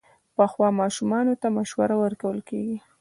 پخو ماشومانو ته مشوره ورکول کېږي